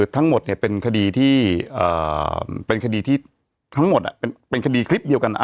ทั้งหมดเป็นคดีคลิปเดียวกัน